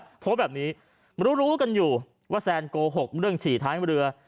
เขาโพสต์แบบนี้รู้รู้กันอยู่ว่าแซนโกหกเรื่องฉี่ท้ายเรือ